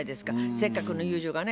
せっかくの友情がね